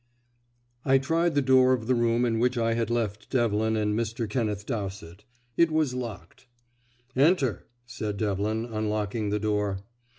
I tried the door of the room in which I had left Devlin and Mr. Kenneth Dowsett. It was locked. "Enter," said Devlin, unlocking the door.